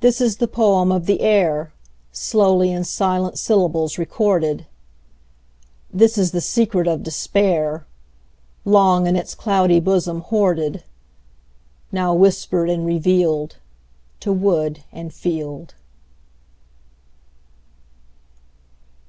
This is the poem of the air, Slowly in silent syllables recorded; This is the secret of despair, Long in its cloudy bosom hoarded, Now whispered and revealed To wood and field.